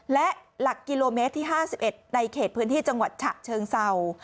และหลักกิโลเมตรที่๕๑ในเขตพื้นที่จังหวัดฉะเชิงเศร้า